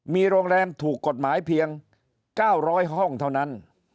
มีโรงแรมถูกกฎหมายเพียง๙๐๐ห้องเท่านั้น